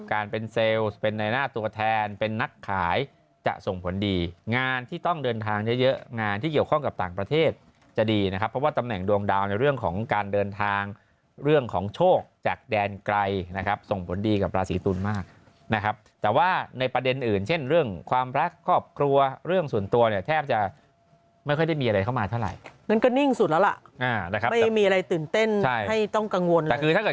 ก็โอเคเพราะว่าเป็นการเปลี่ยนแปลงเรายอมรับได้ไหมชั่วโลกก็จะให้ความสนใจแพร่ไทยเรามากขึ้น